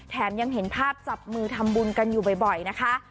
ยังเห็นภาพจับมือทำบุญกันอยู่บ่อยนะคะ